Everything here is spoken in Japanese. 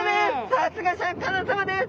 さすがシャーク香音さまです。